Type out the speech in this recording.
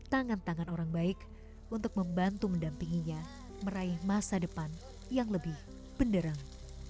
tangan tangan orang baik untuk membantu mendampinginya meraih masa depan yang lebih benderang